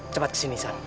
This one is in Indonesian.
cepat kesini san